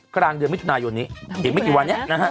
กลางเดือนมิถุนายนนี้เห็นเป็นกี่วันนี้